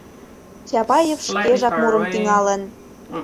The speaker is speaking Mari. Чапаев шкежак мурым тӱҥалын.